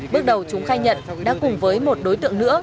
bước đầu chúng khai nhận đã cùng với một đối tượng nữa